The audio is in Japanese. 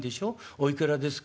おいくらですか？